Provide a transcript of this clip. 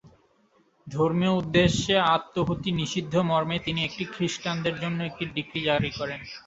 ধর্মীয় উদ্দেশ্যে আত্মাহুতি নিষিদ্ধ মর্মে তিনি একটি খ্রিষ্টানদের জন্য একটি ডিক্রি জারি করেন।